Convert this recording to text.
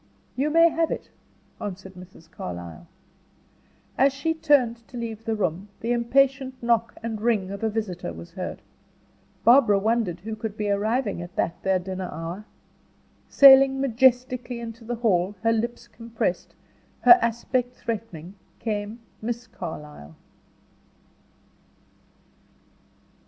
"You may have it," answered Mrs. Carlyle. As she turned to leave the room, the impatient knock and ring of a visitor was heard. Barbara wondered who could be arriving at that, their dinner hour. Sailing majestically into the hall, her lips compressed, her aspect threatening, came Miss Carlyle.